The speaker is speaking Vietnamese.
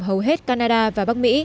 hầu hết canada và bắc mỹ